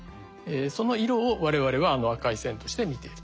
その色を我々はあの赤い線として見ていると。